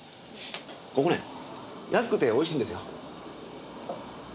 ここね安くて美味しいんですよ。